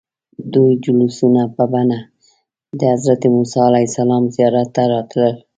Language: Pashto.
دوی جلوسونه په بڼه د حضرت موسى علیه السلام زیارت ته راتلل.